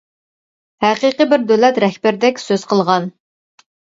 ھەقىقىي بىر دۆلەت رەھبىرىدەك سۆز قىلغان.